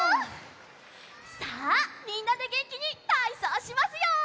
さあみんなでげんきにたいそうしますよ！